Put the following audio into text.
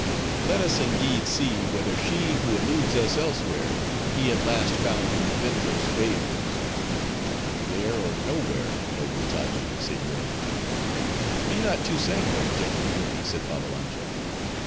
Let us indeed see, whether she who eludes us elsewhere, he at last found in Vivenza's vales." "There or nowhere, noble Taji," said Yoomy. "Be not too sanguine, gentle Yoomy," said Babbalanja.